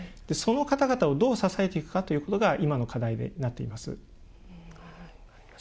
その方々をどう支えていくかということが今の課題になっています。